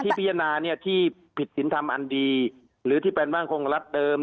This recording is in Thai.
ที่พิจารณาที่ผิดสินทำอันดีหรือที่เป็นมั่นคงของรัฐเดิม